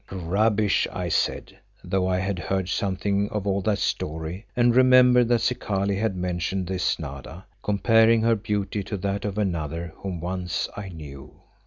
—Editor. "Rubbish," I said, though I had heard something of all that story and remembered that Zikali had mentioned this Nada, comparing her beauty to that of another whom once I knew.